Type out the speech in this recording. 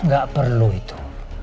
gak perlu itu